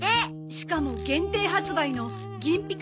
しかも限定発売の銀ピカ